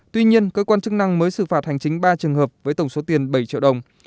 tuy nhiên cơ quan chức năng mới xử phạt hành chính ba trường hợp với tổng số tiền bảy triệu đồng